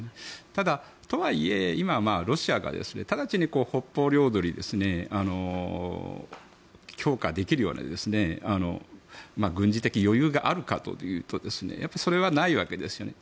ただ、とはいえ今、ロシアが直ちに北方領土に強化できるような軍事的余裕があるかというとそれはないわけですよね。